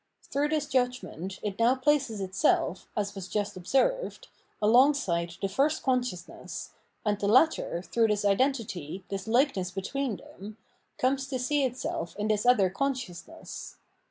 Through this judgment it now places itself, as was just observed, alongside the first consciousness, and the latter, through this identity, this hkeness, between them, comes to see itself in this other consciousness.